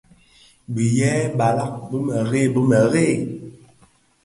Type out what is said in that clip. Bim yêê balàg bì mềrei bi mēreè.